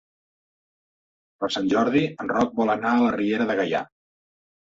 Per Sant Jordi en Roc vol anar a la Riera de Gaià.